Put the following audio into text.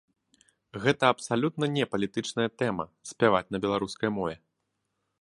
Гэта абсалютна не палітычная тэма, спяваць на беларускай мове.